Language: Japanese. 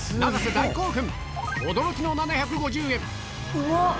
大興奮！